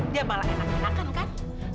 dia malah enak enakan kan